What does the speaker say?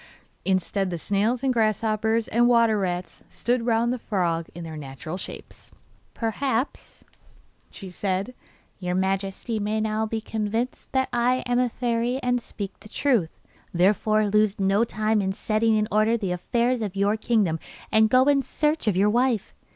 Instead the snails and grasshoppers and water rats stood round the frog in their natural shapes. 'Perhaps,' said she, 'your Majesty may now be convinced that I am a fairy and speak the truth. Therefore lose no time in setting in order the affairs of your kingdom and go in search of your wife.